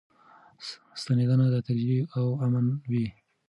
ستنېدنه تدریجي او امن وي.